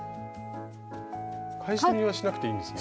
返し縫いはしなくていいんですね？